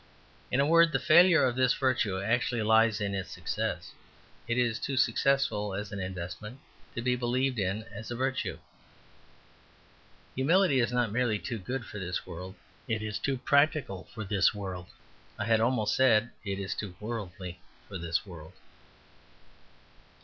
In a word, the failure of this virtue actually lies in its success; it is too successful as an investment to be believed in as a virtue. Humility is not merely too good for this world; it is too practical for this world; I had almost said it is too worldly for this world.